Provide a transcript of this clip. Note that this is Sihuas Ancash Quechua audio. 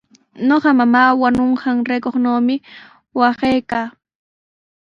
Ñuqa mamaa wañunqanraykumi waqaykaa.